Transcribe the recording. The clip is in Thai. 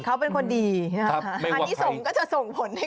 เขาเป็นคนดีอันนี้ส่งก็จะส่งผลให้